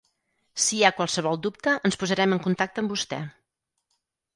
Si hi ha qualsevol dubte ens posarem en contacte amb vostè.